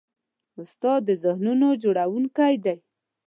استاد د ذهنونو جوړوونکی دی.